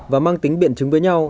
và mang tính biện chứng với nhau